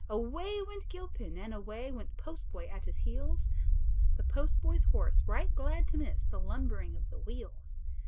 Away went Gilpin, and away Went postboy at his heels, The postboy's horse right glad to miss The lumbering of the wheels.